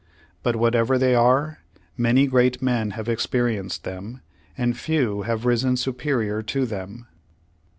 But whatever they are, many great men have experienced them, and few have risen superior to them.